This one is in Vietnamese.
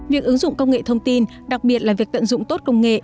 việc ứng dụng công nghệ thông tin đặc biệt là việc tận dụng tốt công nghệ